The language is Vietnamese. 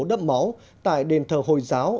đấm máu tại đền thờ hồi giáo